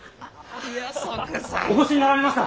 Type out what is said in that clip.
お越しになられました。